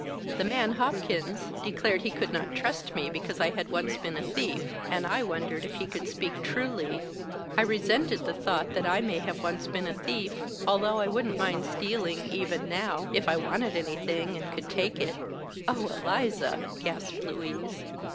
The man Hopkins declared he could not trust me because I had once been a thief, and I wondered if he could speak truly. I resented the thought that I may once have been a thief, although I wouldn't mind stealing, even now, if I wanted anything and could take it." "Oh, Eliza!" gasped Louise.